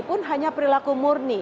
pun hanya perilaku murni